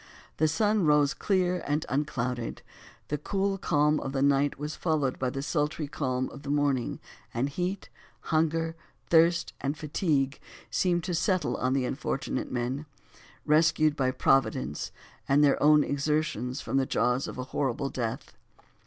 The sun rose clear and unclouded; the cool calm of the night was followed by the sultry calm of the morning, and heat, hunger, thirst and fatigue, seemed to settle on the unfortunate men, rescued by Providence and their own exertions from the jaws of a horrible death.